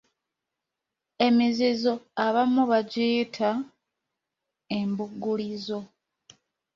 Emizizo abamu bagiyita Embugulizo.